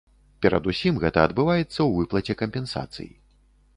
Перадусім гэта адбываецца ў выплаце кампенсацый.